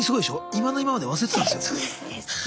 今の今まで忘れてたんですよ。